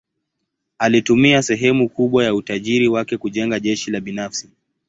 Alitumia sehemu kubwa ya utajiri wake kujenga jeshi la binafsi.